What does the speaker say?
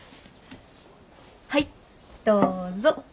はいどうぞ。